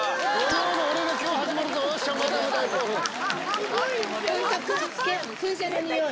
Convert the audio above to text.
すごい。